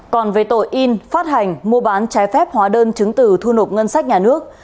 còn về tội in phát hành mua bán trái phép hóa đơn chứng từ thu nộp ngân sách nhà nước